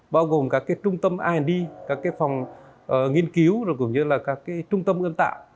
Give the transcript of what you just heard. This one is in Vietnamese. bao gồm các trung tâm ind các phòng nghiên cứu cũng như là các trung tâm ươm tạo